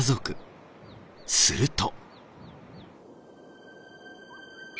すると。